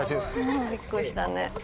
びっくりしたね。